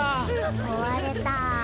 こわれた。